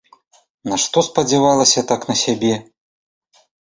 Нашто спадзявалася так на сябе!